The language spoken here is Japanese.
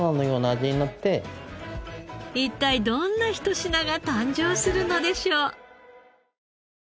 一体どんなひと品が誕生するのでしょう？